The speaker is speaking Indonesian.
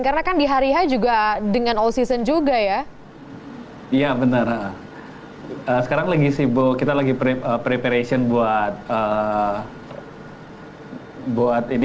terima kasih sudah tontonmu sampai ketemu lagi